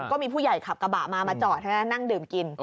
ก็มีผู้ใหญ่ขับกระบะมามาจอดใช่ไหมนั่งดื่มกิน